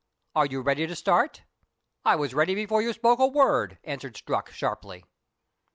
Are you ready to start .?"" I was ready before you spoke a word," answered Strux sharply.